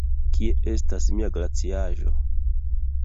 Kie estas mia glaciaĵo?